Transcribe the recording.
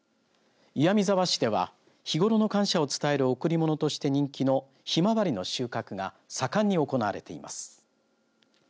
岩見沢市では、日頃の感謝を伝える贈り物として人気のひまわりの収穫が盛んに行われています。